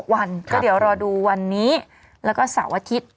วันก็เดี๋ยวรอดูวันนี้แล้วก็เสาร์อาทิตย์